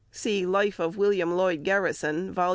(See Life of William Lloyd Garrison, vol.